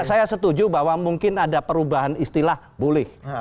saya setuju bahwa mungkin ada perubahan istilah boleh